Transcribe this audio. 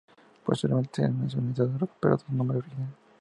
Posteriormente sería nacionalizado recuperando su nombre original.